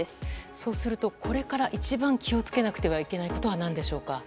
そうすると、これから一番気をつけなくてはいけないことは何でしょうか？